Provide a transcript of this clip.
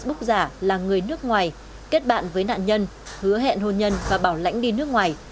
thứ ba đối tượng sử dụng facebook giả là người nước ngoài kết bạn với nạn nhân hứa hẹn hôn nhân và bảo lãnh đi nước ngoài